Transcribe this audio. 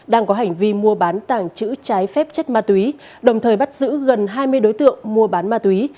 đang có hành vi mua bán tàng trữ trái phép chất ma túy đồng thời bắt giữ gần hai mươi đối tượng mua bán ma túy